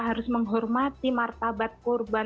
harus menghormati martabat korban